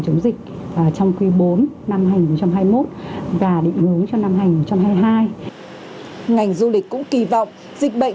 chống dịch trong quý bốn năm hai nghìn hai mươi một và định hướng cho năm hai nghìn hai mươi hai ngành du lịch cũng kỳ vọng dịch bệnh